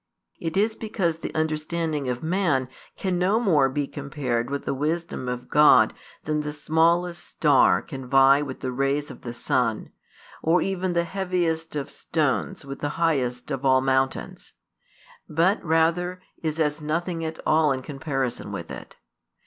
It is because the understanding of man can no more be compared with the wisdom of God than the smallest star can vie with the rays of the sun, or even the heaviest of stones with the highest of all mountains; but rather is as nothing at all in comparison with it.